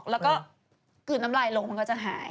แล้วก็กึดน้ำไหลลงมันก็จะหาย